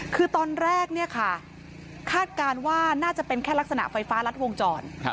คือตอนแรกเนี่ยค่ะคาดการณ์ว่าน่าจะเป็นแค่ลักษณะไฟฟ้ารัดวงจร